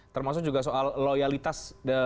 termasuk juga soal loyalitas